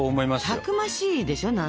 たくましいでしょ？